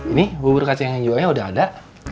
ini bubur kacang hijaunya udah ada